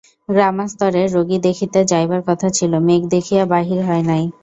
গ্রামাস্তরে রোগী দেখিতে যাইবার কথা ছিল, মেঘ দেখিয়া বাহির হয় নাই।